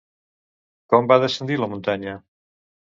Com va descendir la muntanya?